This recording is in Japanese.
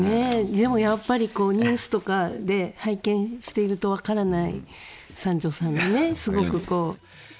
でも、やっぱりニュースとかで拝見していると分からない三條さんにね。